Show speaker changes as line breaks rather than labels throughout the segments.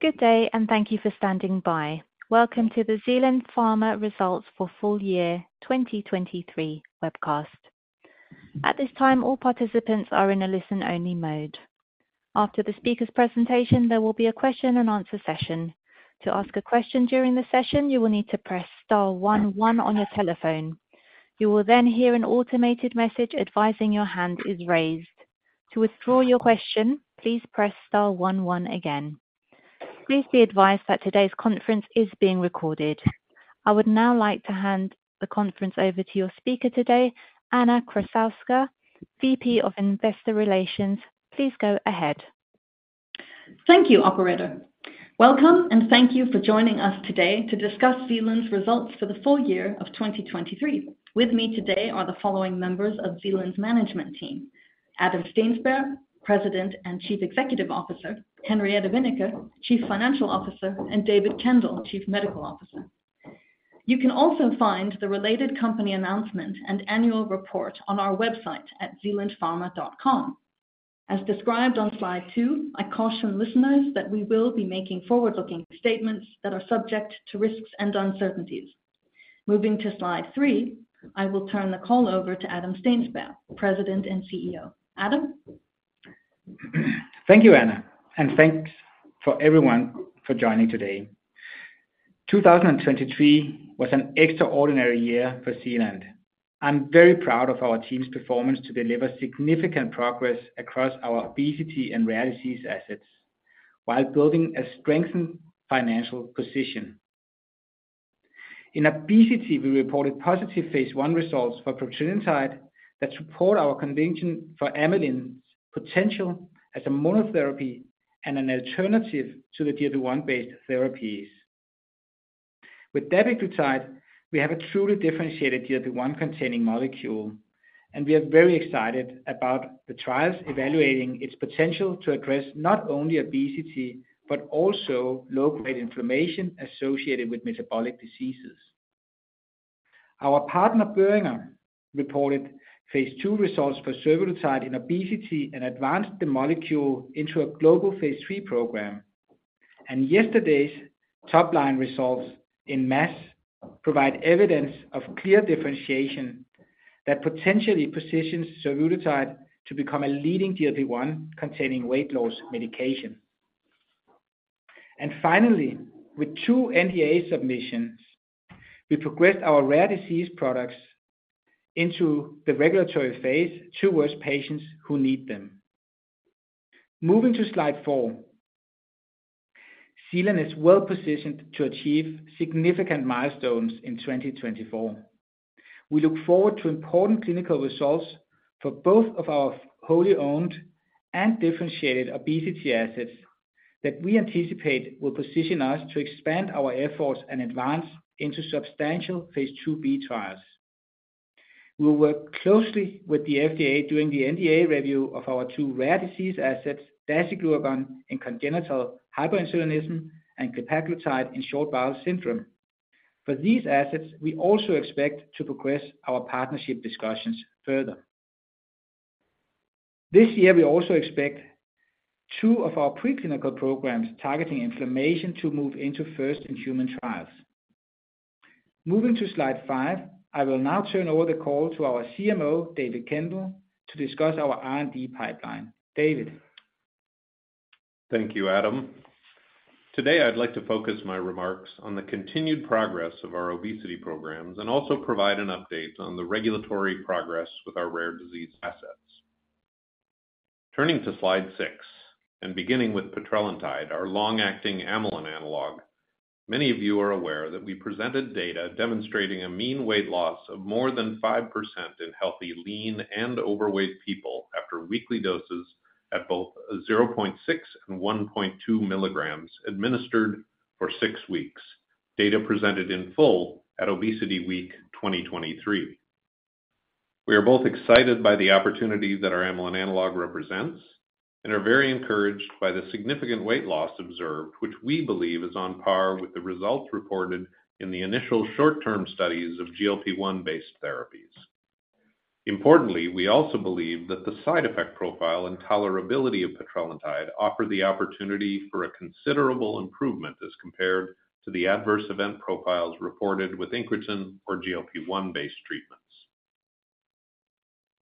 Good day, and thank you for standing by. Welcome to the Zealand Pharma Results for Full Year 2023 webcast. At this time, all participants are in a listen-only mode. After the speaker's presentation, there will be a question-and-answer session. To ask a question during the session, you will need to press star one one on your telephone. You will then hear an automated message advising your hand is raised. To withdraw your question, please press star one one again. Please be advised that today's conference is being recorded. I would now like to hand the conference over to your speaker today, Anna Krassowska, VP of Investor Relations. Please go ahead.
Thank you, operator. Welcome, and thank you for joining us today to discuss Zealand's results for the full year of 2023. With me today are the following members of Zealand's management team: Adam Steensberg, President and Chief Executive Officer; Henriette Wennicke, Chief Financial Officer; and David Kendall, Chief Medical Officer. You can also find the related company announcement and annual report on our website at zealandpharma.com. As described on slide two, I caution listeners that we will be making forward-looking statements that are subject to risks and uncertainties. Moving to slide three, I will turn the call over to Adam Steensberg, President and CEO. Adam?
Thank you, Anna, and thanks for everyone for joining today. 2023 was an extraordinary year for Zealand. I'm very proud of our team's performance to deliver significant progress across our obesity and rare disease assets while building a strengthened financial position. In obesity, we reported positive phase I results for petrelintide that support our conviction for amylin’s potential as a monotherapy and an alternative to the GLP-1-based therapies. With dapiglutide, we have a truly differentiated GLP-1-containing molecule, and we are very excited about the trials evaluating its potential to address not only obesity but also low-grade inflammation associated with metabolic diseases. Our partner, Boehringer, reported phase II results for survodutide in obesity and advanced the molecule into a global phase III program. Yesterday’s top-line results in MASH provide evidence of clear differentiation that potentially positions survodutide to become a leading GLP-1-containing weight loss medication. Finally, with two NDA submissions, we progressed our rare disease products into the regulatory phase to serve patients who need them. Moving to slide four, Zealand is well positioned to achieve significant milestones in 2024. We look forward to important clinical results for both of our wholly owned and differentiated obesity assets that we anticipate will position us to expand our efforts and advance into substantial phase II-B trials. We will work closely with the FDA during the NDA review of our two rare disease assets, dasiglucagon in congenital hyperinsulinism and glepaglutide in short bowel syndrome. For these assets, we also expect to progress our partnership discussions further. This year, we also expect two of our preclinical programs targeting inflammation to move into first-in-human trials. Moving to slide five, I will now turn over the call to our CMO, David Kendall, to discuss our R&D pipeline. David?
Thank you, Adam. Today, I'd like to focus my remarks on the continued progress of our obesity programs and also provide an update on the regulatory progress with our rare disease assets. Turning to slide six and beginning with petrelintide, our long-acting amylin analog, many of you are aware that we presented data demonstrating a mean weight loss of more than 5% in healthy lean and overweight people after weekly doses at both 0.6 mg and 1.2 mg administered for six weeks, data presented in full at ObesityWeek 2023. We are both excited by the opportunity that our amylin analog represents and are very encouraged by the significant weight loss observed, which we believe is on par with the results reported in the initial short-term studies of GLP-1-based therapies. Importantly, we also believe that the side effect profile and tolerability of petrelintide offer the opportunity for a considerable improvement as compared to the adverse event profiles reported with incretin or GLP-1-based treatments.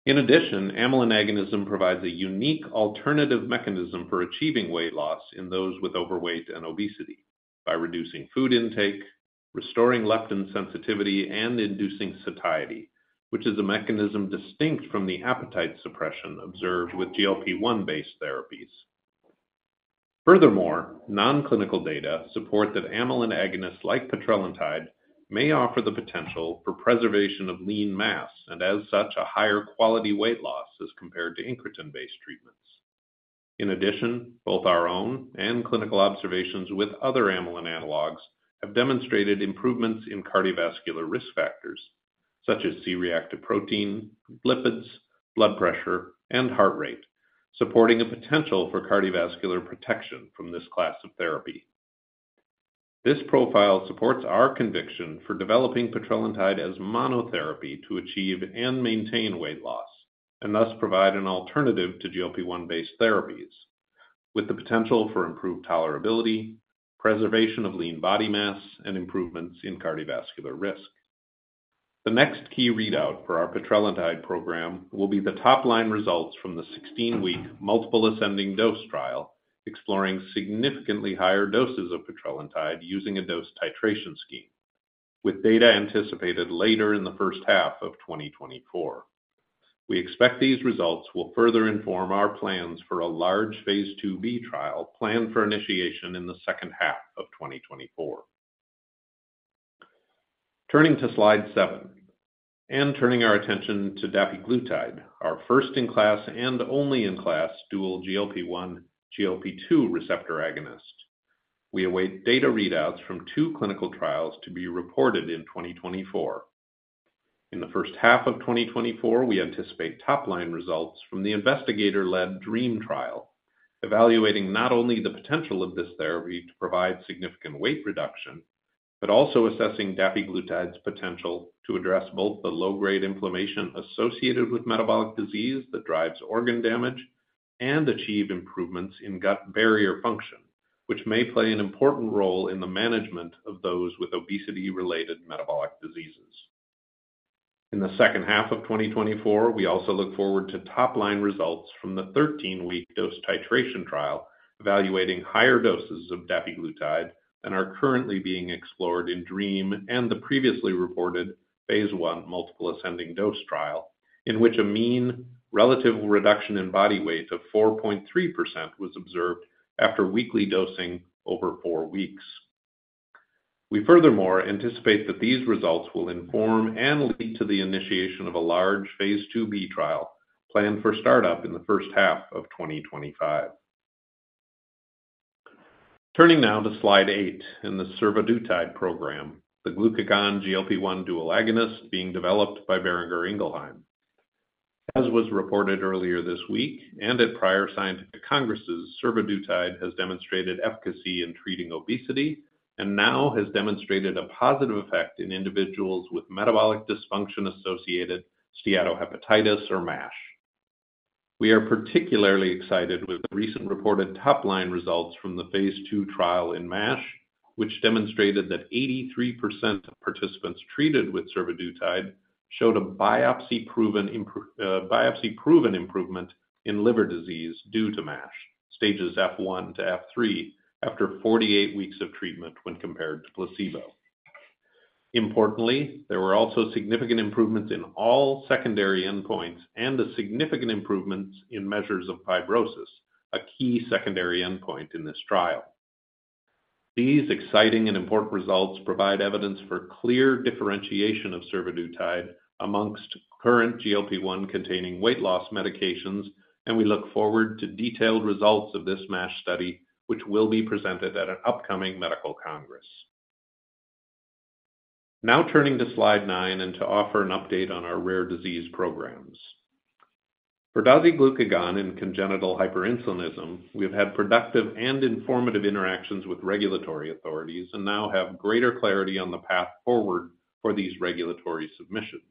In addition, amylin agonism provides a unique alternative mechanism for achieving weight loss in those with overweight and obesity by reducing food intake, restoring leptin sensitivity, and inducing satiety, which is a mechanism distinct from the appetite suppression observed with GLP-1-based therapies. Furthermore, non-clinical data support that amylin agonists like petrelintide may offer the potential for preservation of lean mass and, as such, a higher quality weight loss as compared to incretin-based treatments. In addition, both our own and clinical observations with other amylin analogs have demonstrated improvements in cardiovascular risk factors such as C-reactive protein, lipids, blood pressure, and heart rate, supporting a potential for cardiovascular protection from this class of therapy. This profile supports our conviction for developing petrelintide as monotherapy to achieve and maintain weight loss and thus provide an alternative to GLP-1-based therapies with the potential for improved tolerability, preservation of lean body mass, and improvements in cardiovascular risk. The next key readout for our petrelintide program will be the top-line results from the 16-week multiple ascending dose trial exploring significantly higher doses of petrelintide using a dose titration scheme, with data anticipated later in the first half of 2024. We expect these results will further inform our plans for a large phase II-B trial planned for initiation in the second half of 2024. Turning to slide seven and turning our attention to dapiglutide, our first-in-class and only-in-class dual GLP-1/GLP-2 receptor agonist. We await data readouts from two clinical trials to be reported in 2024. In the first half of 2024, we anticipate top-line results from the investigator-led DREAM trial evaluating not only the potential of this therapy to provide significant weight reduction but also assessing dapiglutide's potential to address both the low-grade inflammation associated with metabolic disease that drives organ damage and achieve improvements in gut barrier function, which may play an important role in the management of those with obesity-related metabolic diseases. In the second half of 2024, we also look forward to top-line results from the 13-week dose titration trial evaluating higher doses of dapiglutide than are currently being explored in DREAM and the previously reported phase I multiple ascending dose trial, in which a mean relative reduction in body weight of 4.3% was observed after weekly dosing over four weeks. We furthermore anticipate that these results will inform and lead to the initiation of a large phase II-B trial planned for startup in the first half of 2025. Turning now to slide eight in the survodutide program, the glucagon GLP-1 dual agonist being developed by Boehringer Ingelheim. As was reported earlier this week and at prior scientific congresses, survodutide has demonstrated efficacy in treating obesity and now has demonstrated a positive effect in individuals with metabolic dysfunction associated with steatohepatitis or MASH. We are particularly excited with the recent reported top-line results from the phase II trial in MASH, which demonstrated that 83% of participants treated with survodutide showed a biopsy-proven improvement in liver disease due to MASH, stages F1 to F3, after 48 weeks of treatment when compared to placebo. Importantly, there were also significant improvements in all secondary endpoints and significant improvements in measures of fibrosis, a key secondary endpoint in this trial. These exciting and important results provide evidence for clear differentiation of survodutide amongst current GLP-1-containing weight loss medications, and we look forward to detailed results of this MASH study, which will be presented at an upcoming medical congress. Now turning to slide nine and to offer an update on our rare disease programs. For dasiglucagon in congenital hyperinsulinism, we have had productive and informative interactions with regulatory authorities and now have greater clarity on the path forward for these regulatory submissions.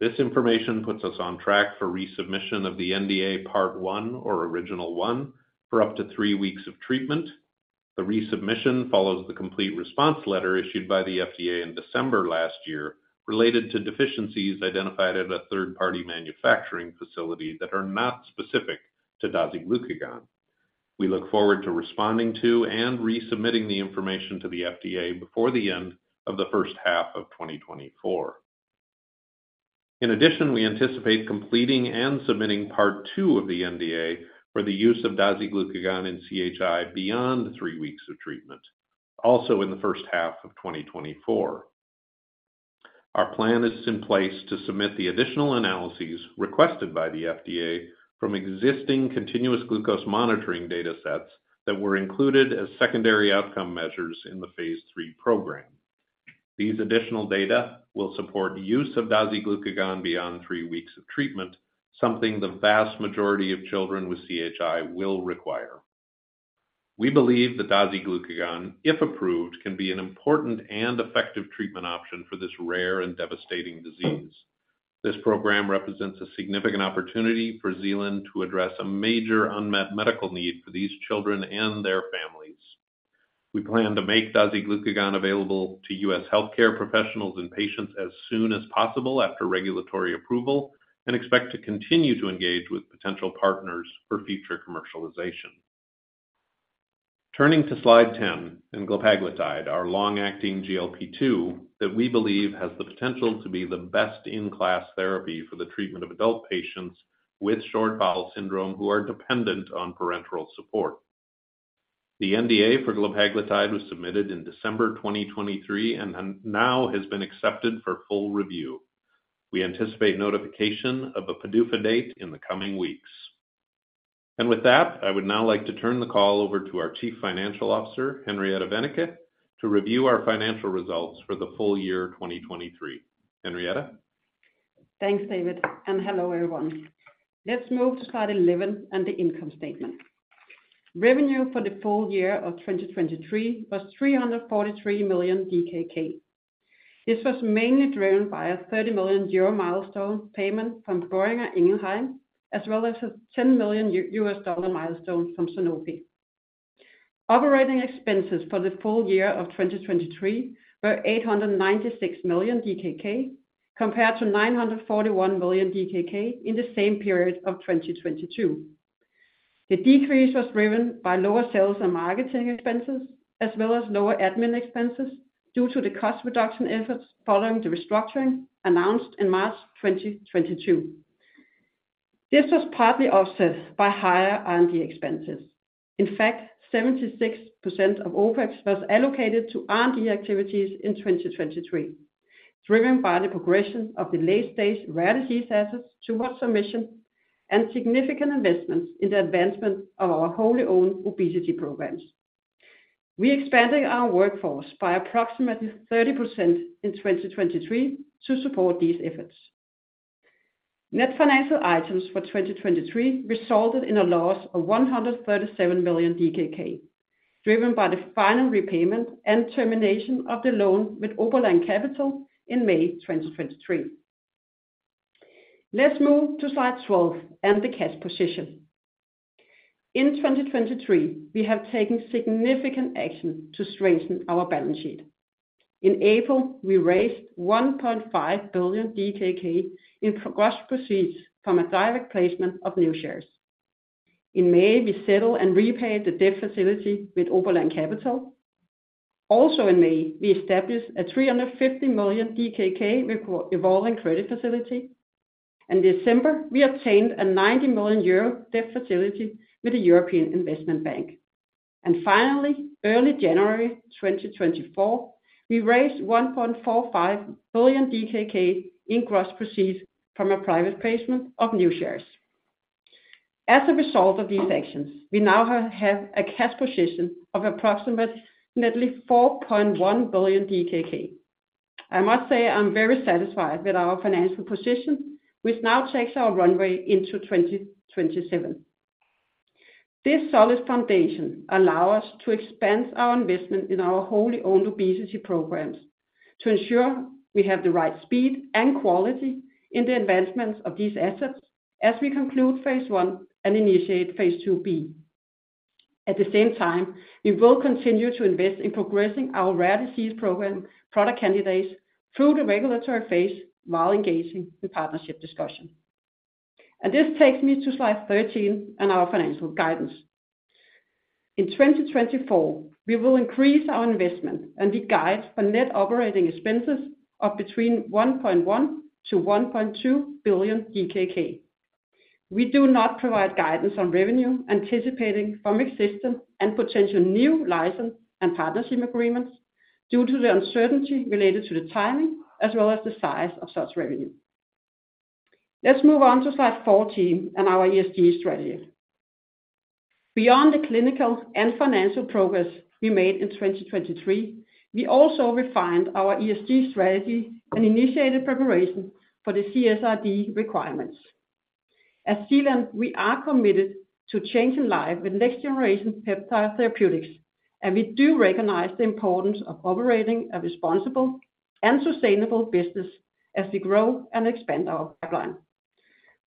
This information puts us on track for resubmission of the NDA part one or original one for up to three weeks of treatment. The resubmission follows the Complete Response Letter issued by the FDA in December last year related to deficiencies identified at a third-party manufacturing facility that are not specific to dasiglucagon. We look forward to responding to and resubmitting the information to the FDA before the end of the first half of 2024. In addition, we anticipate completing and submitting part two of the NDA for the use of dasiglucagon in CHI beyond three weeks of treatment, also in the first half of 2024. Our plan is in place to submit the additional analyses requested by the FDA from existing continuous glucose monitoring data sets that were included as secondary outcome measures in the phase III program. These additional data will support use of dasiglucagon beyond three weeks of treatment, something the vast majority of children with CHI will require. We believe that dasiglucagon, if approved, can be an important and effective treatment option for this rare and devastating disease. This program represents a significant opportunity for Zealand to address a major unmet medical need for these children and their families. We plan to make dasiglucagon available to U.S. healthcare professionals and patients as soon as possible after regulatory approval and expect to continue to engage with potential partners for future commercialization. Turning to slide 10, glepaglutide, our long-acting GLP-2 that we believe has the potential to be the best-in-class therapy for the treatment of adult patients with short bowel syndrome who are dependent on parenteral support. The NDA for glepaglutide was submitted in December 2023 and now has been accepted for full review. We anticipate notification of a PDUFA date in the coming weeks. With that, I would now like to turn the call over to our Chief Financial Officer, Henriette Wennicke, to review our financial results for the full year 2023. Henriette?
Thanks, David, and hello everyone. Let's move to slide 11 and the income statement. Revenue for the full year of 2023 was 343 million DKK. This was mainly driven by a 30 million euro milestone payment from Boehringer Ingelheim as well as a EUR 10 million milestone from Sanofi. Operating expenses for the full year of 2023 were 896 million DKK compared to 941 million DKK in the same period of 2022. The decrease was driven by lower sales and marketing expenses as well as lower admin expenses due to the cost reduction efforts following the restructuring announced in March 2022. This was partly offset by higher R&D expenses. In fact, 76% of OPEX was allocated to R&D activities in 2023, driven by the progression of the late-stage rare disease assets towards submission and significant investments in the advancement of our wholly owned obesity programs. We expanded our workforce by approximately 30% in 2023 to support these efforts. Net financial items for 2023 resulted in a loss of 137 million DKK driven by the final repayment and termination of the loan with Oberland Capital in May 2023. Let's move to slide 12 and the cash position. In 2023, we have taken significant action to strengthen our balance sheet. In April, we raised 1.5 billion DKK in gross proceeds from a direct placement of new shares. In May, we settled and repaid the debt facility with Oberland Capital. Also in May, we established a 350 million DKK revolving credit facility. In December, we obtained a 90 million euro debt facility with the European Investment Bank. Finally, early January 2024, we raised 1.45 billion DKK in gross proceeds from a private placement of new shares. As a result of these actions, we now have a cash position of approximately 4.1 billion DKK. I must say I'm very satisfied with our financial position, which now checks our runway into 2027. This solid foundation allows us to expand our investment in our wholly owned obesity programs to ensure we have the right speed and quality in the advancements of these assets as we conclude phase I and initiate phase II-B. At the same time, we will continue to invest in progressing our rare disease program product candidates through the regulatory phase while engaging in partnership discussion. This takes me to slide 13 and our financial guidance. In 2024, we will increase our investment and we guide for net operating expenses of between 1.1 billion-1.2 billion. We do not provide guidance on revenue anticipating from existing and potential new license and partnership agreements due to the uncertainty related to the timing as well as the size of such revenue. Let's move on to slide 14 and our ESG strategy. Beyond the clinical and financial progress we made in 2023, we also refined our ESG strategy and initiated preparation for the CSRD requirements. As Zealand, we are committed to changing life with next-generation peptide therapeutics, and we do recognize the importance of operating a responsible and sustainable business as we grow and expand our pipeline.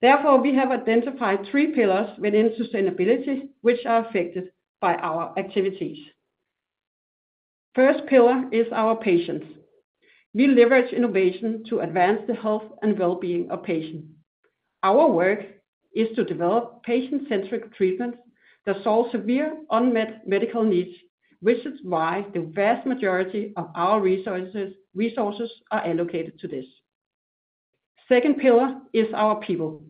Therefore, we have identified three pillars within sustainability which are affected by our activities. First pillar is our patients. We leverage innovation to advance the health and well-being of patients. Our work is to develop patient-centric treatments that solve severe unmet medical needs, which is why the vast majority of our resources are allocated to this. Second pillar is our people.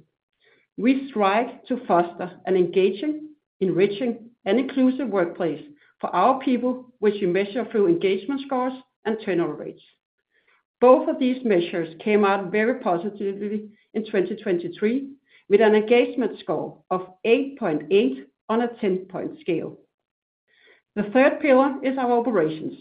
We strive to foster an engaging, enriching, and inclusive workplace for our people, which we measure through engagement scores and turnover rates. Both of these measures came out very positively in 2023 with an engagement score of 8.8 on a 10-point scale. The third pillar is our operations.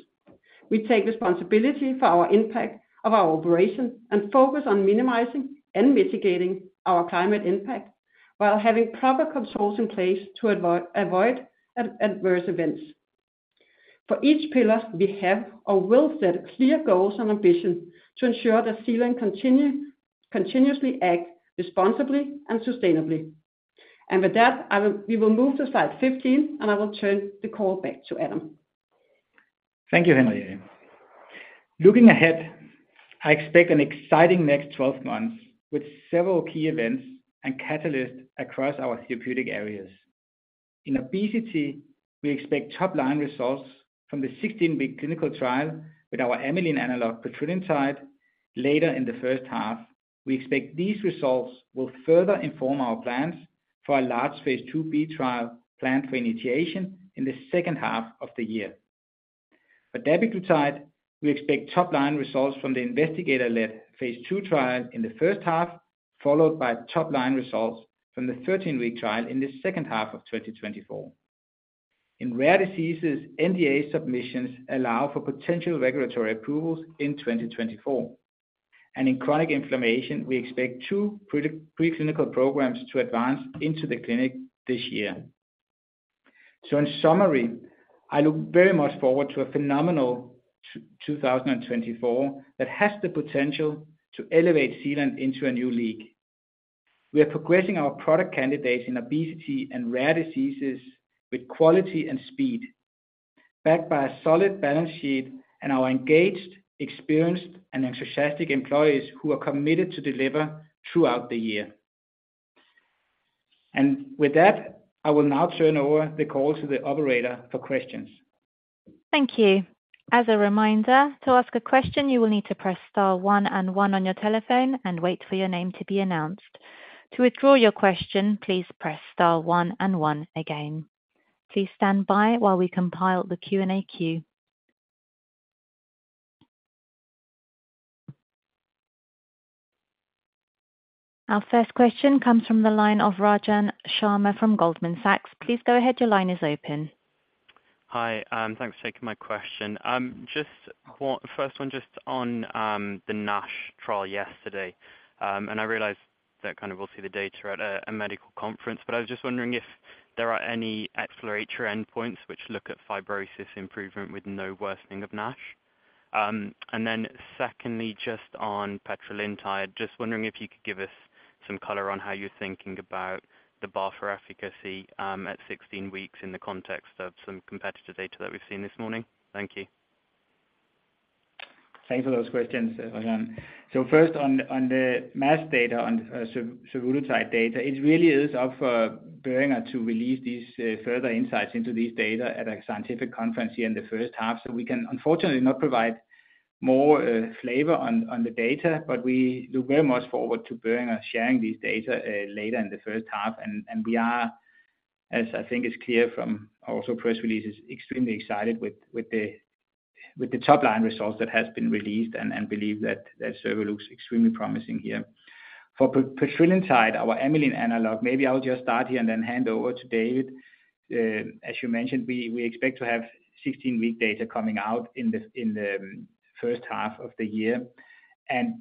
We take responsibility for our impact of our operation and focus on minimizing and mitigating our climate impact while having proper controls in place to avoid adverse events. For each pillar, we have or will set clear goals and ambition to ensure that Zealand continuously act responsibly and sustainably. With that, we will move to slide 15, and I will turn the call back to Adam.
Thank you, Henriette. Looking ahead, I expect an exciting next 12 months with several key events and catalysts across our therapeutic areas. In obesity, we expect top-line results from the 16-week clinical trial with our amylin analog petrelintide. Later in the first half, we expect these results will further inform our plans for a large phase II-B trial planned for initiation in the second half of the year. For dapiglutide, we expect top-line results from the investigator-led phase II trial in the first half, followed by top-line results from the 13-week trial in the second half of 2024. In rare diseases, NDA submissions allow for potential regulatory approvals in 2024. In chronic inflammation, we expect two preclinical programs to advance into the clinic this year. In summary, I look very much forward to a phenomenal 2024 that has the potential to elevate Zealand into a new league. We are progressing our product candidates in obesity and rare diseases with quality and speed, backed by a solid balance sheet and our engaged, experienced, and enthusiastic employees who are committed to deliver throughout the year. With that, I will now turn over the call to the operator for questions.
Thank you. As a reminder, to ask a question, you will need to press star one and one on your telephone and wait for your name to be announced. To withdraw your question, please press star one and one again. Please stand by while we compile the Q&A queue. Our first question comes from the line of Rajan Sharma from Goldman Sachs. Please go ahead. Your line is open.
Hi. Thanks for taking my question. First one, just on the NASH trial yesterday. I realized that we'll see the data at a medical conference, but I was just wondering if there are any exploratory endpoints which look at fibrosis improvement with no worsening of NASH. Secondly, just on petrelintide, just wondering if you could give us some color on how you're thinking about the bar for efficacy at 16 weeks in the context of some competitor data that we've seen this morning. Thank you.
Thanks for those questions, Rajan. First, on the MASH data, on survodutide data, it really is up for Boehringer to release further insights into these data at a scientific conference here in the first half. We can, unfortunately, not provide more flavor on the data, but we look very much forward to Boehringer sharing these data later in the first half. As I think is clear from also press releases, we're extremely excited with the top-line results that have been released and believe that survodutide looks extremely promising here. For petrelintide, our amylin analog, maybe I'll just start here and then hand over to David. As you mentioned, we expect to have 16-week data coming out in the first half of the year. I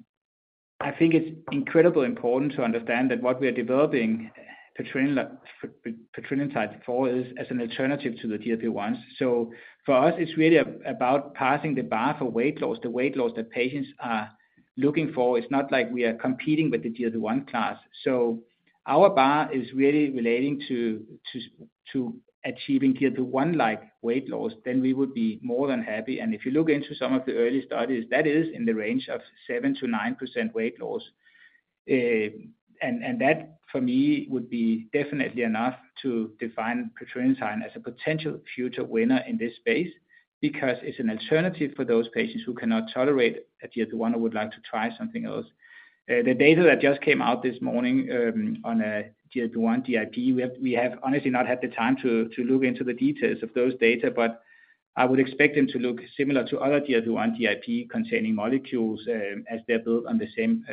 think it's incredibly important to understand that what we are developing petrelintide for is as an alternative to the GLP-1s. For us, it's really about passing the bar for weight loss. The weight loss that patients are looking for, it's not like we are competing with the GLP-1 class. Our bar is really relating to achieving GLP-1-like weight loss. Then we would be more than happy. If you look into some of the early studies, that is in the range of 7%-9% weight loss. That for me would be definitely enough to define petrelintide as a potential future winner in this space because it's an alternative for those patients who cannot tolerate a GLP-1 or would like to try something else. The data that just came out this morning on a GLP-1/GIP, we have honestly not had the time to look into the details of those data, but I would expect them to look similar to other GLP-1/GIP containing molecules as they're built on the same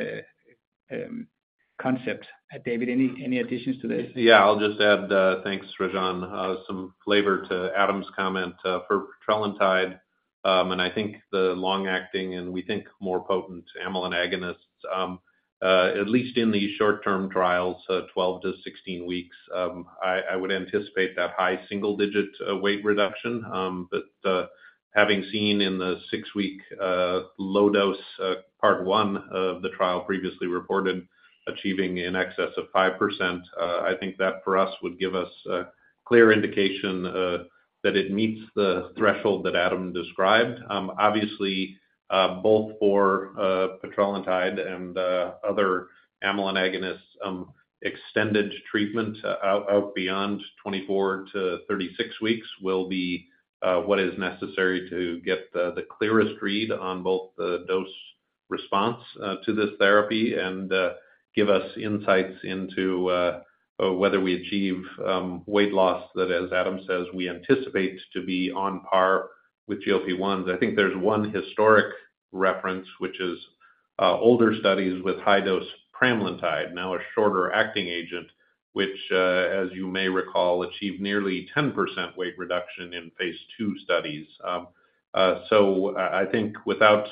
concept. David, any additions to this?
Yeah. I'll just add, thanks, Rajan, some flavor to Adam's comment for petrelintide. I think the long-acting and we think more potent amylin agonists, at least in these short-term trials, 12-16 weeks, I would anticipate that high single-digit weight reduction. Having seen in the six-week low-dose part one of the trial previously reported achieving in excess of 5%, I think that for us would give us a clear indication that it meets the threshold that Adam described. Obviously, both for petrelintide and other amylin agonists, extended treatment out beyond 24-36 weeks will be what is necessary to get the clearest read on both the dose response to this therapy and give us insights into whether we achieve weight loss that, as Adam says, we anticipate to be on par with GLP-1s. I think there's one historic reference, which is older studies with high-dose pramlintide, now a shorter-acting agent, which, as you may recall, achieved nearly 10% weight reduction in phase II studies. I think without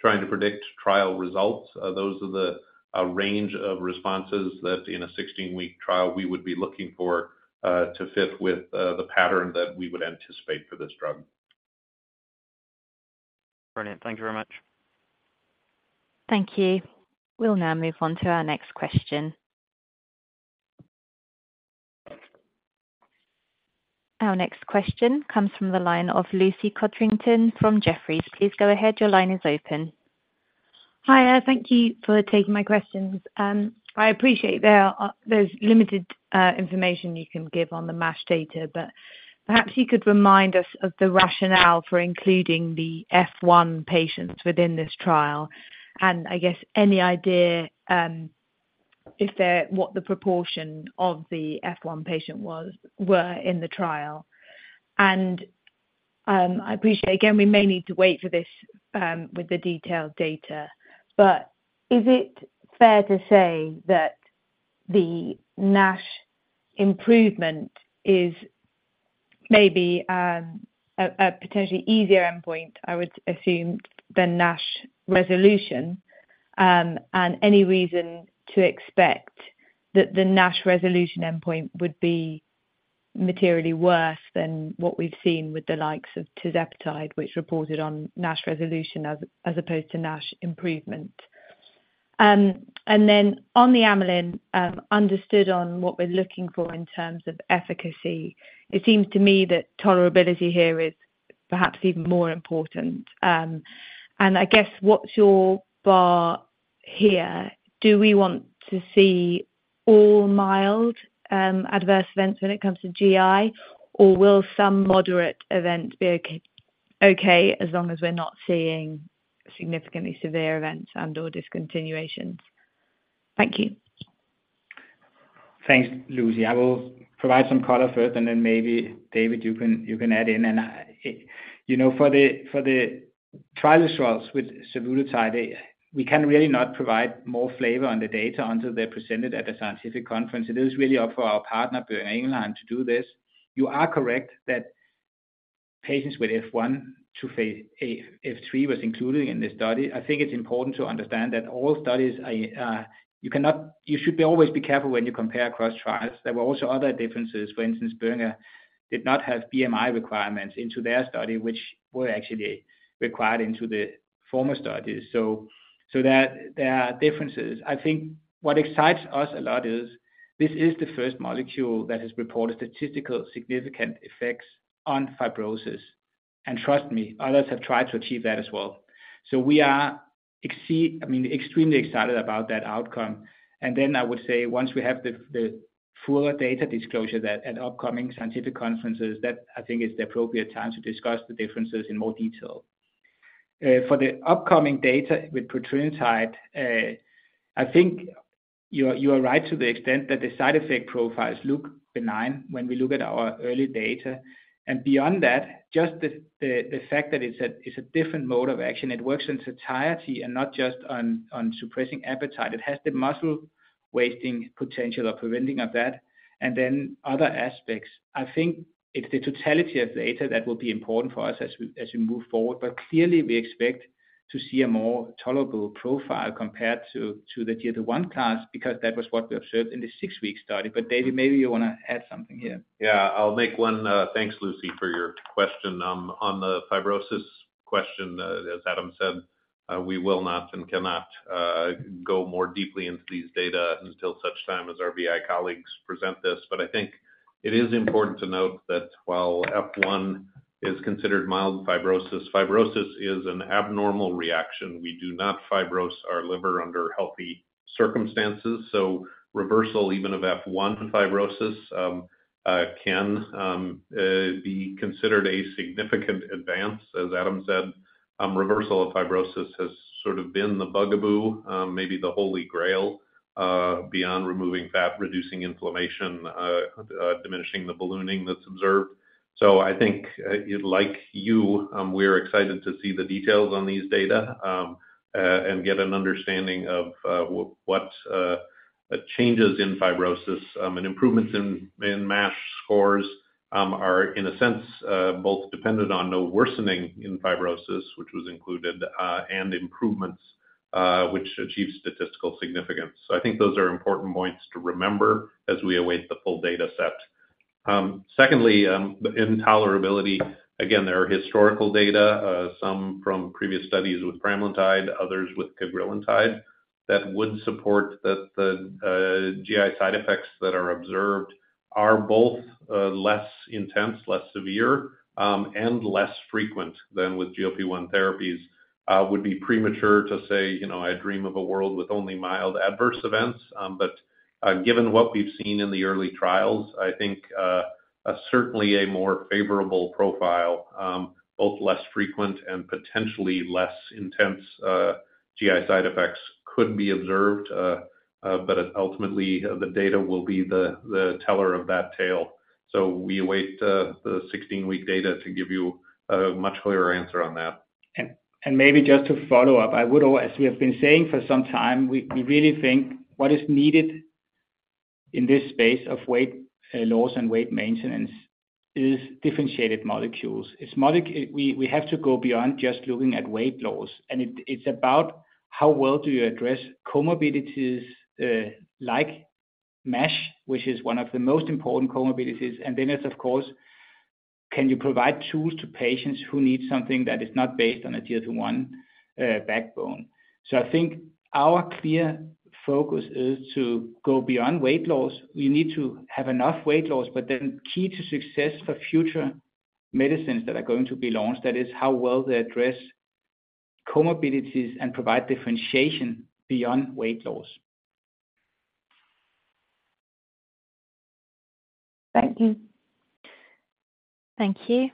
trying to predict trial results, those are the range of responses that in a 16-week trial we would be looking for to fit with the pattern that we would anticipate for this drug.
Brilliant. Thank you very much.
Thank you. We'll now move on to our next question. Our next question comes from the line of Lucy Codrington from Jefferies. Please go ahead. Your line is open.
Hi. Thank you for taking my questions. I appreciate there's limited information you can give on the MASH data, but perhaps you could remind us of the rationale for including the F1 patients within this trial and any idea what the proportion of the F1 patients were in the trial. Again, we may need to wait for this with the detailed data, but is it fair to say that the NASH improvement is maybe a potentially easier endpoint, I would assume, than NASH resolution? Any reason to expect that the NASH resolution endpoint would be materially worse than what we've seen with the likes of tirzepatide, which reported on NASH resolution as opposed to NASH improvement? Then on the amylin, understood on what we're looking for in terms of efficacy, it seems to me that tolerability here is perhaps even more important. I guess what's your bar here? Do we want to see all mild adverse events when it comes to GI, or will some moderate events be okay as long as we're not seeing significantly severe events and/or discontinuations? Thank you.
Thanks, Lucy. I will provide some color first, and then maybe David, you can add in. For the trial results with survodutide, we can really not provide more flavor on the data until they're presented at a scientific conference. It is really up for our partner, Boehringer Ingelheim, to do this. You are correct that patients with F1-F3 were included in this study. I think it's important to understand that all studies you should always be careful when you compare across trials. There were also other differences. For instance, Boehringer did not have BMI requirements into their study, which were actually required into the former studies. There are differences. I think what excites us a lot is this is the first molecule that has reported statistically significant effects on fibrosis. Trust me, others have tried to achieve that as well. We are extremely excited about that outcome. Then I would say once we have the full data disclosure at upcoming scientific conferences, that I think is the appropriate time to discuss the differences in more detail. For the upcoming data with petrelintide, I think you are right to the extent that the side effect profiles look benign when we look at our early data. Beyond that, just the fact that it's a different mode of action, it works in its entirety and not just on suppressing appetite. It has the muscle-wasting potential of preventing that and then other aspects. I think it's the totality of data that will be important for us as we move forward, but clearly, we expect to see a more tolerable profile compared to the GLP-1 class because that was what we observed in the six-week study. David, maybe you want to add something here.
Yeah. I'll make one thanks, Lucy, for your question. On the fibrosis question, as Adam said, we will not and cannot go more deeply into these data until such time as our BI colleagues present this. I think it is important to note that while F1 is considered mild fibrosis, fibrosis is an abnormal reaction. We do not fibrose our liver under healthy circumstances. Reversal even of F1 fibrosis can be considered a significant advance. As Adam said, reversal of fibrosis has been the bugaboo, maybe the holy grail beyond removing fat, reducing inflammation, diminishing the ballooning that's observed. I think like you, we're excited to see the details on these data and get an understanding of what changes in fibrosis and improvements in NASH scores are, in a sense, both dependent on no worsening in fibrosis, which was included, and improvements, which achieve statistical significance. I think those are important points to remember as we await the full data set. Secondly, in tolerability, again, there are historical data, some from previous studies with pramlintide, others with cagrilintide, that would support that the GI side effects that are observed are both less intense, less severe, and less frequent than with GLP-1 therapies. It would be premature to say, "I dream of a world with only mild adverse events." Given what we've seen in the early trials, I think certainly a more favorable profile, both less frequent and potentially less intense GI side effects could be observed, but ultimately, the data will be the teller of that tale. We await the 16-week data to give you a much clearer answer on that.
Maybe just to follow up, as we have been saying for some time, we really think what is needed in this space of weight loss and weight maintenance is differentiated molecules. We have to go beyond just looking at weight loss. It's about how well do you address comorbidities like NASH, which is one of the most important comorbidities. Then it's, of course, can you provide tools to patients who need something that is not based on a GLP-1 backbone? I think our clear focus is to go beyond weight loss. You need to have enough weight loss, but then key to success for future medicines that are going to be launched, that is how well they address comorbidities and provide differentiation beyond weight loss.
Thank you.
Thank you.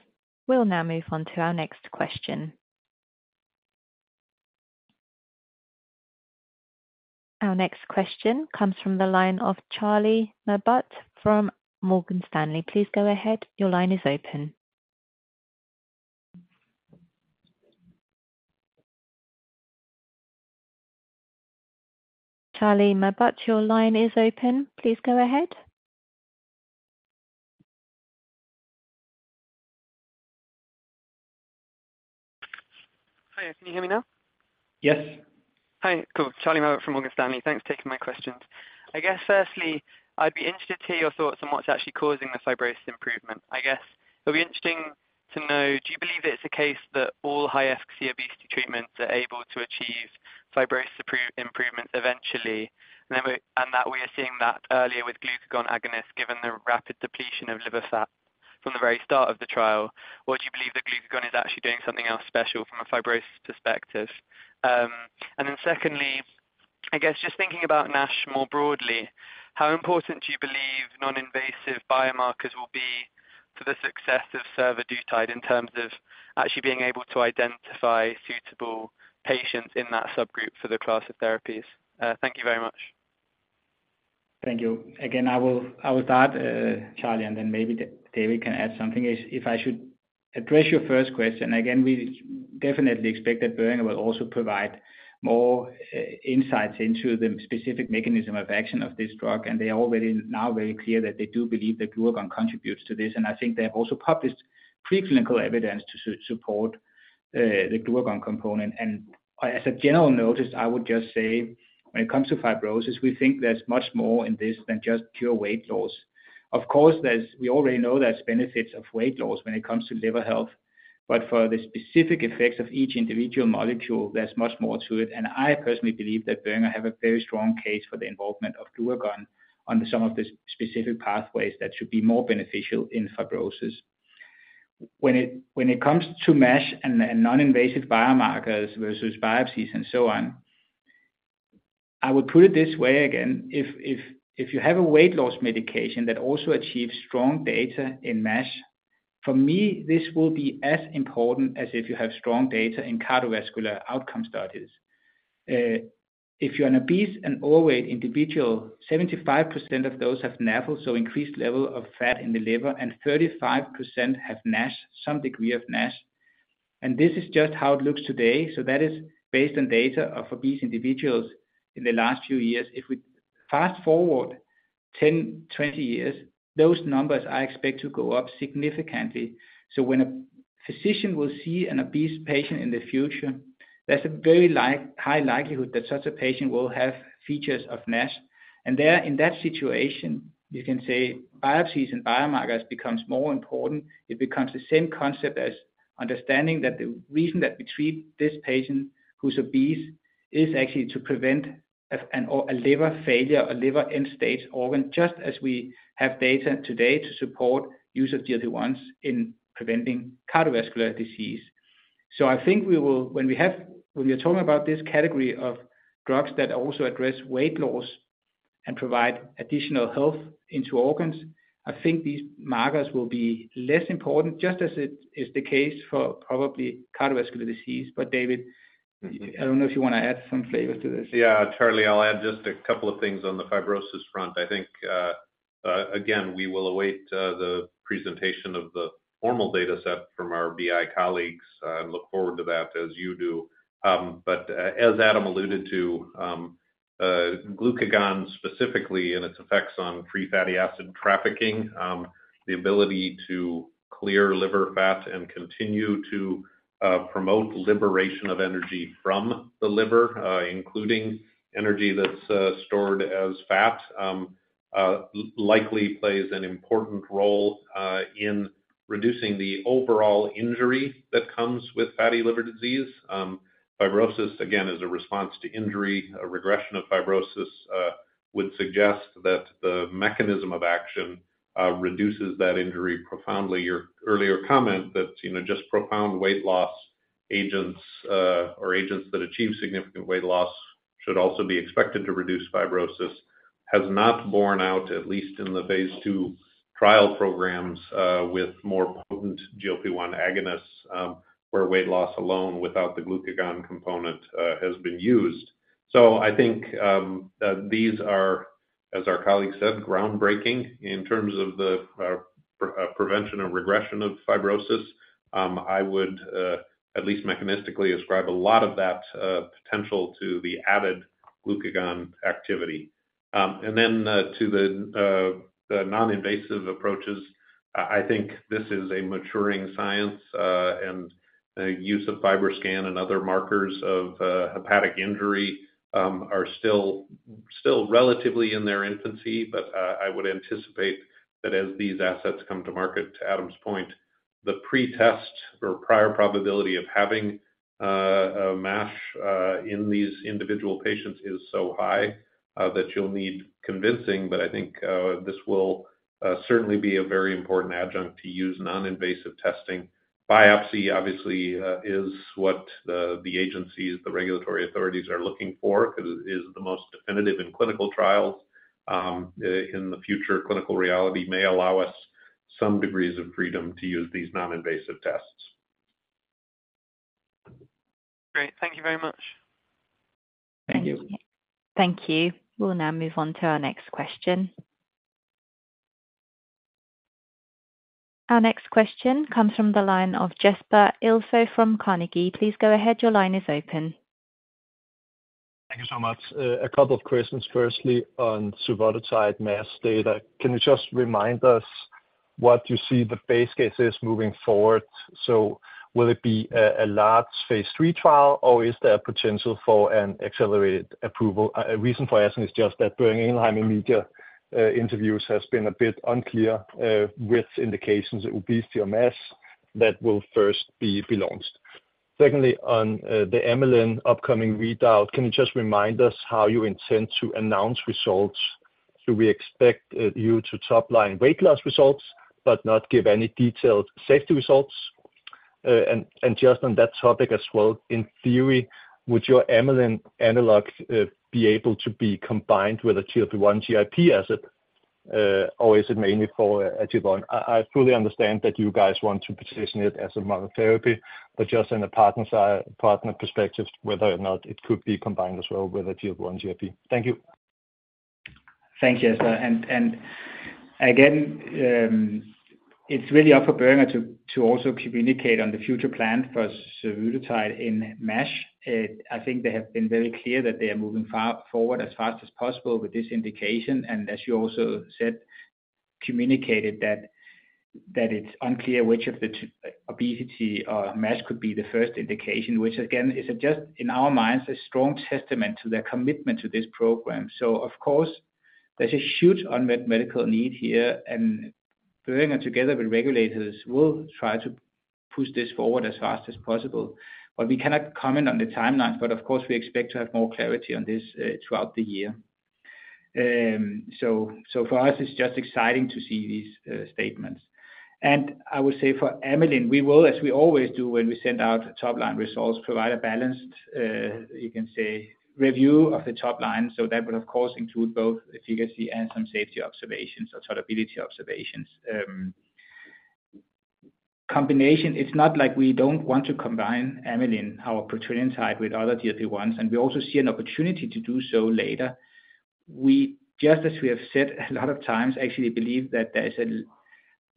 We'll now move on to our next question. Our next question comes from the line of Charlie Maybury from Morgan Stanley. Please go ahead. Your line is open. Charlie Maybury, your line is open. Please go ahead.
Hi. Can you hear me now?
Yes.
Hi. Cool. Charlie Maybury from Morgan Stanley. Thanks for taking my questions. Firstly, I'd be interested to hear your thoughts on what's actually causing the fibrosis improvement. It'll be interesting to know, do you believe it's a case that all high-efficacy obesity treatments are able to achieve fibrosis improvements eventually, and that we are seeing that earlier with glucagon agonists given the rapid depletion of liver fat from the very start of the trial, or do you believe that glucagon is actually doing something else special from a fibrosis perspective? Then secondly, just thinking about NASH more broadly, how important do you believe non-invasive biomarkers will be for the success of survodutide in terms of actually being able to identify suitable patients in that subgroup for the class of therapies? Thank you very much.
Thank you. Again, I will start, Charlie, and then maybe David can add something. If I should address your first question, again, we definitely expect that Boehringer will also provide more insights into the specific mechanism of action of this drug. They are already now very clear that they do believe that glucagon contributes to this. I think they have also published preclinical evidence to support the glucagon component. As a general notice, I would just say when it comes to fibrosis, we think there's much more in this than just pure weight loss. Of course, we already know there's benefits of weight loss when it comes to liver health, but for the specific effects of each individual molecule, there's much more to it. I personally believe that Boehringer have a very strong case for the involvement of glucagon on some of the specific pathways that should be more beneficial in fibrosis. When it comes to NASH and non-invasive biomarkers versus biopsies and so on, I would put it this way again. If you have a weight loss medication that also achieves strong data in NASH, for me, this will be as important as if you have strong data in cardiovascular outcome studies. If you're an obese and overweight individual, 75% of those have NAFLD, so increased level of fat in the liver, and 35% have some degree of NASH. This is just how it looks today. That is based on data of obese individuals in the last few years. If we fast forward 10, 20 years, those numbers I expect to go up significantly. When a physician will see an obese patient in the future, there's a very high likelihood that such a patient will have features of NASH. In that situation, you can say biopsies and biomarkers become more important. It becomes the same concept as understanding that the reason that we treat this patient who's obese is actually to prevent a liver failure, a liver end-stage organ, just as we have data today to support use of GLP-1s in preventing cardiovascular disease. I think when we are talking about this category of drugs that also address weight loss and provide additional health into organs, I think these markers will be less important, just as it is the case for probably cardiovascular disease. David, I don't know if you want to add some flavors to this.
Yeah. Charlie, I'll add just a couple of things on the fibrosis front. I think, again, we will await the presentation of the formal data set from our BI colleagues and look forward to that as you do. As Adam alluded to, glucagon specifically and its effects on free fatty acid trafficking, the ability to clear liver fat and continue to promote liberation of energy from the liver, including energy that's stored as fat, likely plays an important role in reducing the overall injury that comes with fatty liver disease. Fibrosis, again, is a response to injury. A regression of fibrosis would suggest that the mechanism of action reduces that injury profoundly. Your earlier comment that just profound weight loss agents or agents that achieve significant weight loss should also be expected to reduce fibrosis has not borne out, at least in the phase II trial programs with more potent GLP-1 agonists where weight loss alone without the glucagon component has been used. I think these are, as our colleague said, groundbreaking in terms of the prevention or regression of fibrosis. I would at least mechanistically ascribe a lot of that potential to the added glucagon activity. Then to the non-invasive approaches, I think this is a maturing science, and use of FibroScan and other markers of hepatic injury are still relatively in their infancy. I would anticipate that as these assets come to market, to Adam's point, the pretest or prior probability of having NASH in these individual patients is so high that you'll need convincing. I think this will certainly be a very important adjunct to use non-invasive testing. Biopsy, obviously, is what the agencies, the regulatory authorities are looking for because it is the most definitive in clinical trials. In the future, clinical reality may allow us some degrees of freedom to use these non-invasive tests.
Great. Thank you very much.
Thank you.
Thank you. We'll now move on to our next question. Our next question comes from the line of Jesper Ilsøe from Carnegie. Please go ahead. Your line is open.
Thank you so much. A couple of questions. Firstly, on survodutide NASH data, can you just remind us what you see the base case is moving forward? Will it be a large phase III trial, or is there potential for an accelerated approval? A reason for asking is just that Boehringer Ingelheim recent interviews have been a bit unclear with indications of obesity or MASH that will first be launched. Secondly, on the amylin upcoming readout, can you just remind us how you intend to announce results? Do we expect you to topline weight loss results but not give any detailed safety results? Just on that topic as well, in theory, would your amylin analog be able to be combined with a GLP-1 GIP asset, or is it mainly for adjuvant? I fully understand that you guys want to position it as a monotherapy, but just in a partner perspective, whether or not it could be combined as well with a GLP-1 GIP? Thank you.
Thanks, Jesper. Again, it's really up for Boehringer to also communicate on the future plan for Survodutide in NASH. I think they have been very clear that they are moving forward as fast as possible with this indication. As you also said, communicated that it's unclear which of the obesity or NASH could be the first indication, which, again, is just in our minds a strong testament to their commitment to this program. Of course, there's a huge unmet medical need here, and Boehringer together with regulators will try to push this forward as fast as possible. We cannot comment on the timelines, but of course, we expect to have more clarity on this throughout the year. For us, it's just exciting to see these statements. I would say for amylin, we will, as we always do when we send out topline results, provide a balanced, you can say, review of the topline. That would, of course, include both efficacy and some safety observations or tolerability observations. It's not like we don't want to combine amylin, our petrelintide, with other GLP-1s, and we also see an opportunity to do so later. Just as we have said a lot of times, I actually believe that there's a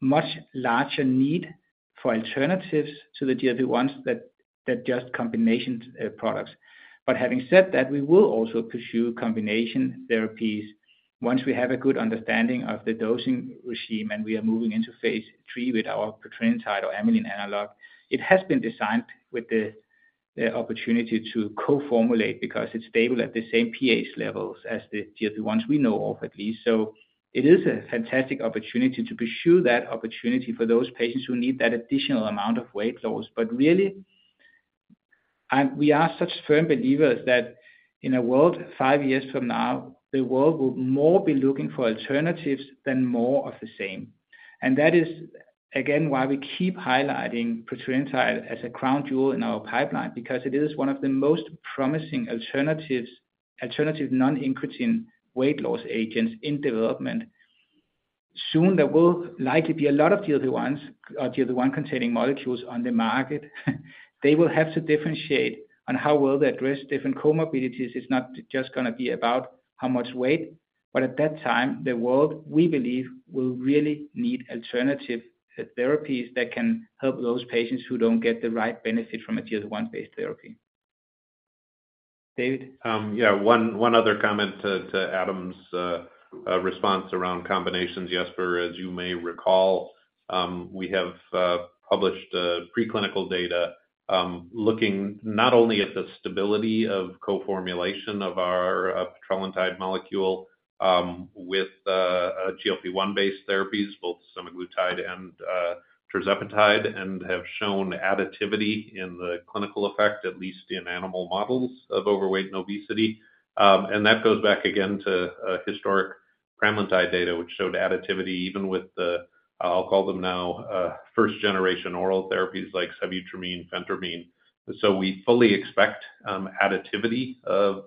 much larger need for alternatives to the GLP-1s than just combination products. Having said that, we will also pursue combination therapies once we have a good understanding of the dosing regime and we are moving into phase III with our petrelintide or MLN analog. It has been designed with the opportunity to co-formulate because it's stable at the same pH levels as the GLP-1s we know of, at least. It is a fantastic opportunity to pursue that opportunity for those patients who need that additional amount of weight loss. We are such firm believers that in a world five years from now, the world will more be looking for alternatives than more of the same. That is, again, why we keep highlighting petrelintide as a crown jewel in our pipeline because it is one of the most promising alternative non-incretin weight loss agents in development. Soon, there will likely be a lot of GLP-1s or GLP-1 containing molecules on the market. They will have to differentiate on how well they address different comorbidities. It's not just going to be about how much weight, but at that time, the world, we believe, will really need alternative therapies that can help those patients who don't get the right benefit from a GLP-1-based therapy. David?
Yeah. One other comment to Adam's response around combinations. Jesper, as you may recall, we have published preclinical data looking not only at the stability of co-formulation of our petrelintide molecule with GLP-1-based therapies, both semaglutide and tirzepatide, and have shown additivity in the clinical effect, at least in animal models of overweight and obesity. That goes back again to historic pramlintide data, which showed additivity even with the, I'll call them now, first-generation oral therapies like sibutramine, phentermine. We fully expect additivity of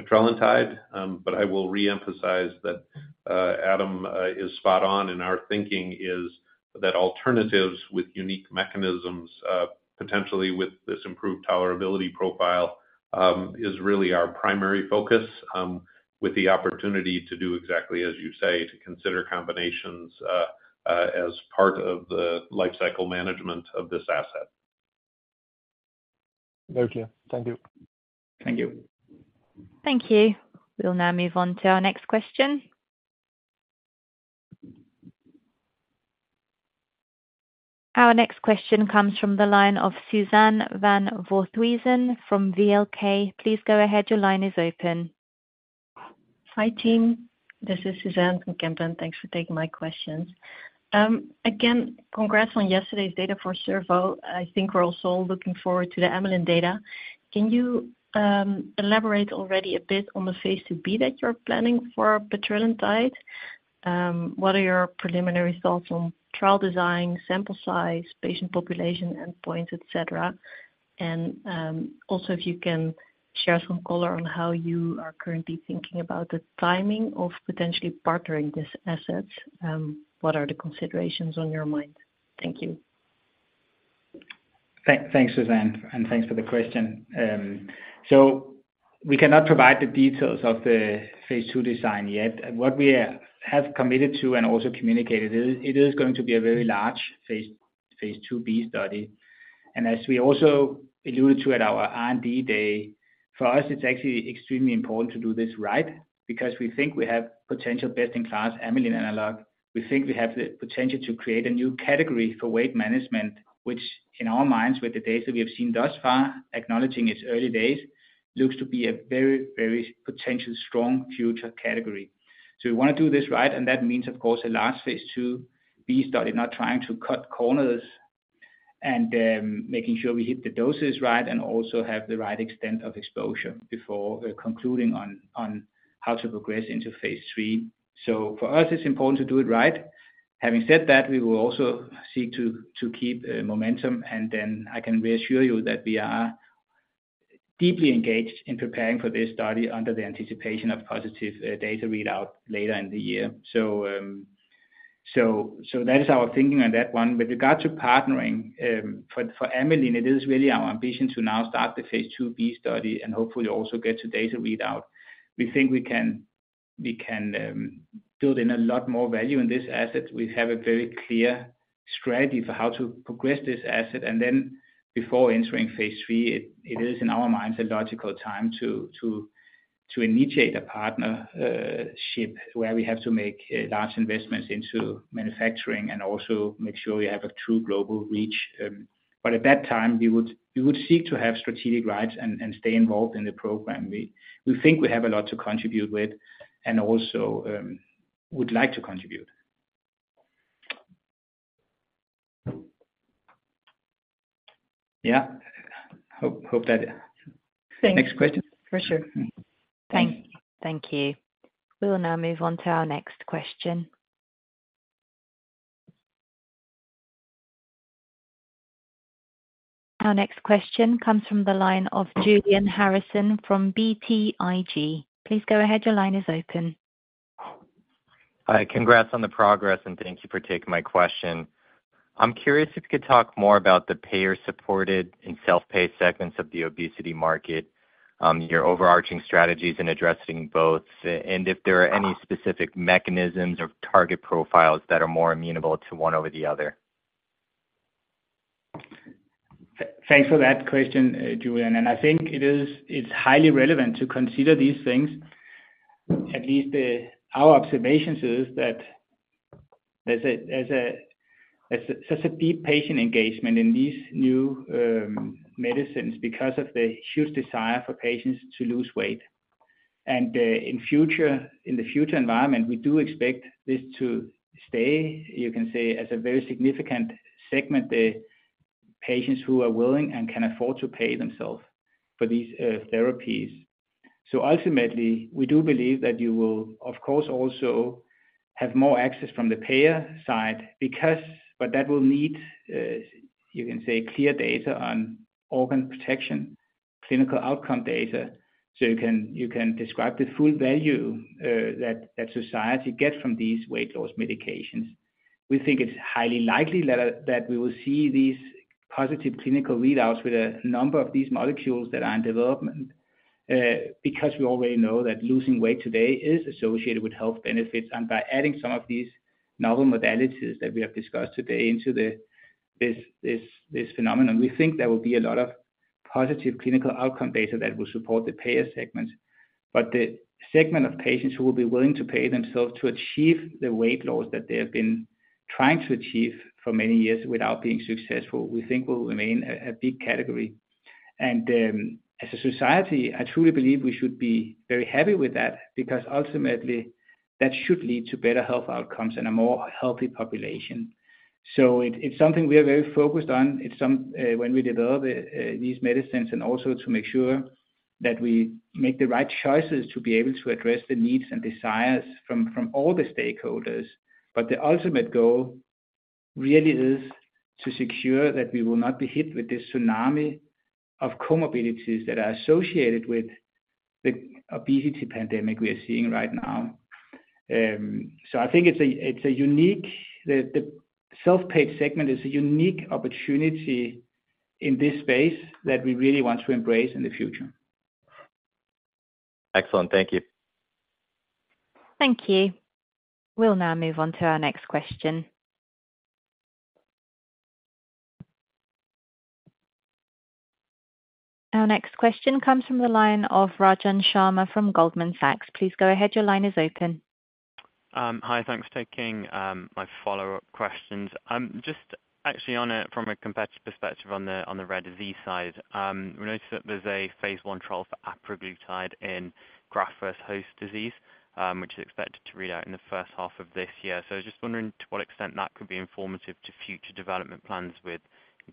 petrelintide, but I will reemphasize that Adam is spot on, and our thinking is that alternatives with unique mechanisms, potentially with this improved tolerability profile, is really our primary focus with the opportunity to do exactly as you say, to consider combinations as part of the lifecycle management of this asset.
Very clear. Thank you.
Thank you.
Thank you. We'll now move on to our next question. Our next question comes from the line of Suzanne van Voorthuizen from VLK. Please go ahead. Your line is open.
Hi team. This is Suzanne from Kempen. Thanks for taking my questions. Again, congrats on yesterday's data for survodutide. I think we're also looking forward to the MASH data. Can you elaborate already a bit on the phase II-B that you're planning for petrelintide? What are your preliminary thoughts on trial design, sample size, patient population, endpoints, et cetera? Also, if you can share some color on how you are currently thinking about the timing of potentially partnering this asset, what are the considerations on your mind? Thank you.
Thanks, Suzanne, and thanks for the question. We cannot provide the details of the phase II design yet. What we have committed to and also communicated, it is going to be a very large phase II-B study. As we also alluded to at our R&D day, for us, it's actually extremely important to do this right because we think we have potential best-in-class amylin analog. We think we have the potential to create a new category for weight management, which in our minds, with the data we have seen thus far, acknowledging its early days, looks to be a very, very potentially strong future category. We want to do this right, and that means, of course, a large phase II-B study, not trying to cut corners and making sure we hit the doses right and also have the right extent of exposure before concluding on how to progress into phase III. For us, it's important to do it right. Having said that, we will also seek to keep momentum, and then I can reassure you that we are deeply engaged in preparing for this study under the anticipation of positive data readout later in the year. That is our thinking on that one. With regard to partnering for amylin, it is really our ambition to now start the phase II-B study and hopefully also get to data readout. We think we can build in a lot more value in this asset. We have a very clear strategy for how to progress this asset. Then before entering phase III, it is in our minds a logical time to initiate a partnership where we have to make large investments into manufacturing and also make sure we have a true global reach. At that time, we would seek to have strategic rights and stay involved in the program. We think we have a lot to contribute with and also would like to contribute. Yeah. Hope that.
Thanks.
Next question. For sure. Thanks.
Thank you. We'll now move on to our next question. Our next question comes from the line of Julian Harrison from BTIG. Please go ahead. Your line is open.
Hi. Congrats on the progress, and thank you for taking my question. I'm curious if you could talk more about the payer-supported and self-pay segments of the obesity market, your overarching strategies in addressing both, and if there are any specific mechanisms or target profiles that are more amenable to one over the other.
Thanks for that question, Julian. I think it's highly relevant to consider these things. At least our observations are that there's such a deep patient engagement in these new medicines because of the huge desire for patients to lose weight. In the future environment, we do expect this to stay, you can say, as a very significant segment, the patients who are willing and can afford to pay themselves for these therapies. Ultimately, we do believe that you will, of course, also have more access from the payer side, but that will need, you can say, clear data on organ protection, clinical outcome data, so you can describe the full value that society gets from these weight loss medications. We think it's highly likely that we will see these positive clinical readouts with a number of these molecules that are in development because we already know that losing weight today is associated with health benefits. By adding some of these novel modalities that we have discussed today into this phenomenon, we think there will be a lot of positive clinical outcome data that will support the payer segments. The segment of patients who will be willing to pay themselves to achieve the weight loss that they have been trying to achieve for many years without being successful, we think, will remain a big category. As a society, I truly believe we should be very happy with that because ultimately, that should lead to better health outcomes and a more healthy population. It's something we are very focused on when we develop these medicines and also to make sure that we make the right choices to be able to address the needs and desires from all the stakeholders. The ultimate goal really is to secure that we will not be hit with this tsunami of comorbidities that are associated with the obesity pandemic we are seeing right now. I think the self-pay segment is a unique opportunity in this space that we really want to embrace in the future.
Excellent. Thank you.
Thank you. We'll now move on to our next question. Our next question comes from the line of Rajan Sharma from Goldman Sachs. Please go ahead. Your line is open.
Hi. Thanks for taking my follow-up questions. Actually, from a competitive perspective on the rare disease side, we noticed that there's a phase I trial for apraglutide in Graft-versus-Host Disease, which is expected to read out in the first half of this year. I was just wondering to what extent that could be informative to future development plans with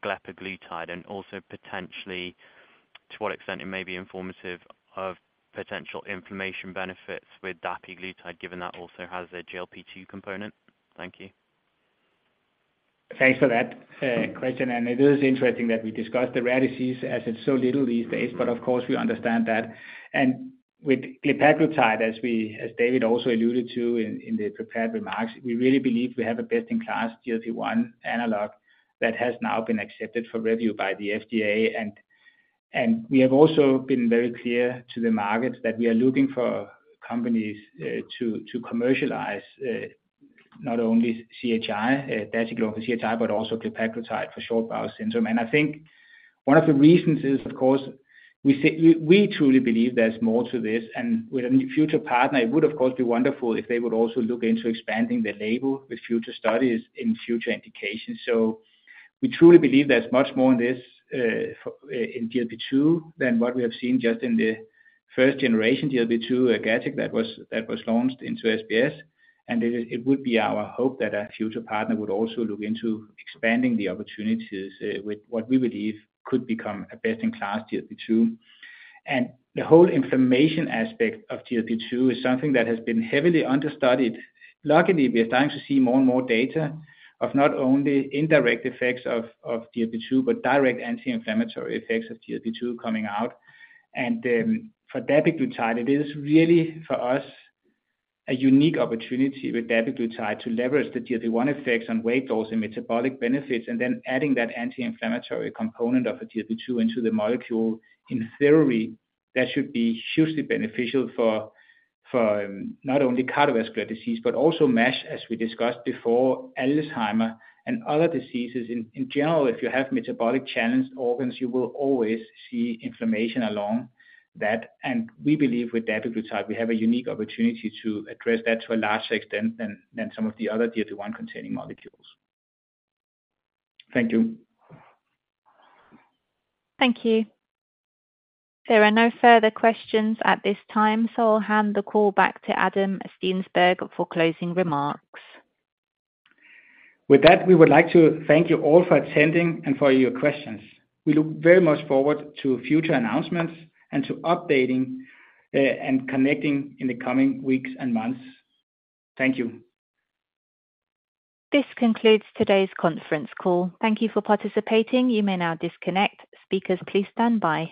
glepaglutide and also potentially to what extent it may be informative of potential inflammation benefits with dapiglutide given that also has a GLP-2 component. Thank you.
Thanks for that question. It is interesting that we discuss the rare disease as it's so little these days, but of course, we understand that. With glepaglutide, as David also alluded to in the prepared remarks, we really believe we have a best-in-class GLP-1 analog that has now been accepted for review by the FDA. We have also been very clear to the market that we are looking for companies to commercialize not only dasiglucagon for CHI but also glepaglutide for short bowel syndrome. I think one of the reasons is, of course, we truly believe there's more to this. With a future partner, it would, of course, be wonderful if they would also look into expanding the label with future studies in future indications. We truly believe there's much more in this GLP-2 than what we have seen just in the first-generation GLP-2 agonist that was launched into SBS. It would be our hope that a future partner would also look into expanding the opportunities with what we believe could become a best-in-class GLP-2. The whole inflammation aspect of GLP-2 is something that has been heavily understudied. Luckily, we are starting to see more and more data of not only indirect effects of GLP-2 but direct anti-inflammatory effects of GLP-2 coming out. For dapiglutide, it is really, for us, a unique opportunity with dapiglutide to leverage the GLP-1 effects on weight loss and metabolic benefits and then adding that anti-inflammatory component of a GLP-2 into the molecule. In theory, that should be hugely beneficial for not only cardiovascular disease but also MASH, as we discussed before, Alzheimer's, and other diseases. In general, if you have metabolic-challenged organs, you will always see inflammation along that. We believe with dapiglutide, we have a unique opportunity to address that to a larger extent than some of the other GLP-1-containing molecules.
Thank you.
Thank you. There are no further questions at this time, so I'll hand the call back to Adam Steensberg for closing remarks.
With that, we would like to thank you all for attending and for your questions. We look very much forward to future announcements and to updating and connecting in the coming weeks and months. Thank you.
This concludes today's conference call. Thank you for participating. You may now disconnect. Speakers, please stand by.